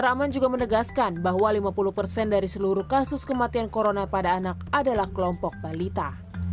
rahman juga menegaskan bahwa lima puluh persen dari seluruh kasus kematian corona pada anak adalah kelompok balita